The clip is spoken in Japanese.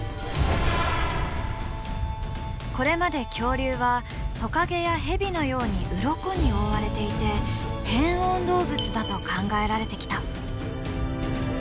これまで恐竜はトカゲやヘビのようにウロコに覆われていて変温動物だと考えられてきた。